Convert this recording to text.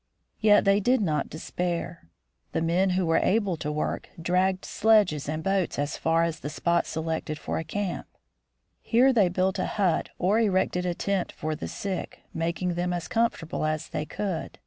Yet they did not despair. The men who were able to work, dragged sledges and boats as far as the spot selected for a camp. Here they built a hut or erected a tent for the sick, mak ing them as comfortable as they could.